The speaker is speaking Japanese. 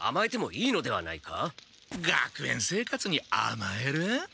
学園生活にあまえる！？